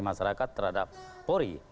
masyarakat terhadap polri